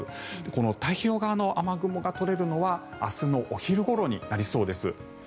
この太平洋側の雨雲が取れるのは明日のお昼ごろになりそうです。